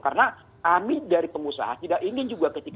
karena kami dari pengusaha tidak ingin juga ketika